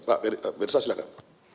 pak mirza silahkan